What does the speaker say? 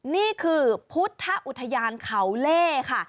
นี่คือพุทธอุทยานเขาเล่ค่ะ